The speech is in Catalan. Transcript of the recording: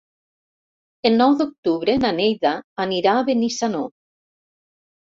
El nou d'octubre na Neida anirà a Benissanó.